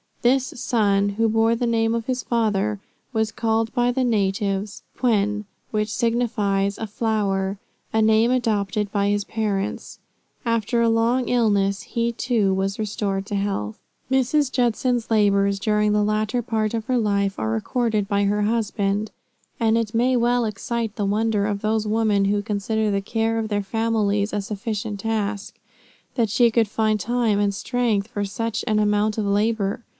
This son, who bore the name of his father, was called by the natives Pwen, which signifies "a flower," a name adopted by his parents. After a long illness he too was restored to health. Mrs. Judson's labors during the latter part of her life, are recorded by her husband; and it may well excite the wonder of those women who consider the care of their own families a sufficient task, that she could find time and strength for such an amount of labor.